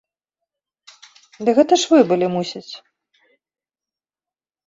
Ды гэта ж вы былі, мусіць!